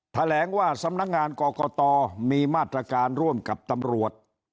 แถลงว่าสำนักงานกรกตมีมาตรการร่วมกับตำรวจ